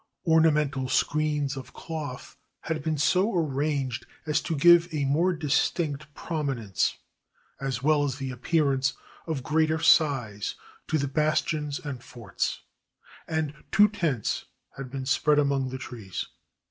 Ornamental screens of cloth had been so arranged as to give a more distinct prominence, as well as the appearance of greater size to the bastions and forts ; and two tents had been spread among the trees.